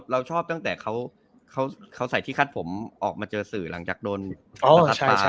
เราชอบตั้งแต่เขาใส่ที่คัดผมออกมาเจอสื่อหลังจากโดนประทัดมา